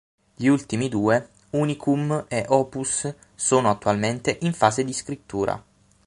Gli ultimi due, "Unicum" e "Opus" sono attualmente in fase di scrittura.